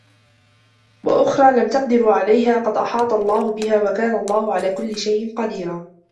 وأخرى لم تقدروا عليها قد أحاط الله بها وكان الله على كل شيء قديرا